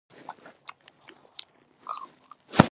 رسوب د افغانستان د سیاسي جغرافیه یوه مهمه برخه ده.